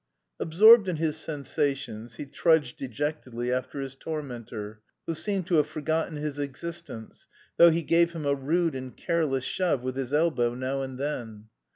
Absorbed in his sensations, he trudged dejectedly after his tormentor, who seemed to have forgotten his existence, though he gave him a rude and careless shove with his elbow now and then.